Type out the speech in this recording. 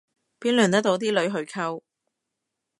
邊輪得到啲女去溝